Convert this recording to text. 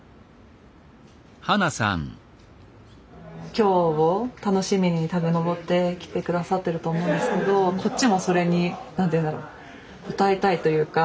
今日を楽しみに多分登ってきて下さってると思うんですけどこっちもそれに何ていうんだろう応えたいというか。